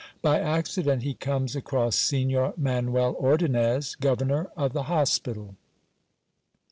By accident, he conies across Signor Manuel Ordonnez, governor oftlie hospital.